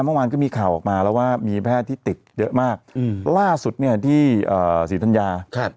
เมื่อวานก็มีข่าวออกมาแล้วว่ามีแพทย์ที่ติดเยอะมากล่าสุดเนี่ยที่ศรีธัญญา